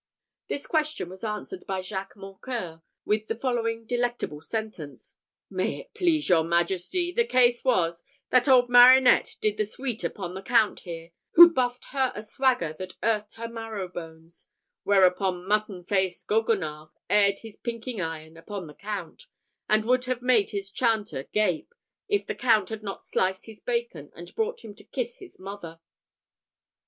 This question was answered by Jacques Mocqueur with the following delectable sentence: "May it please your majesty, the case was, that old Marinette did the sweet upon the Count here, who buffed her a swagger that earthed her marrow bones; whereupon mutton faced Goguenard aired his pinking iron upon the count, and would have made his chanter gape, if the Count had not sliced his bacon, and brought him to kiss his mother."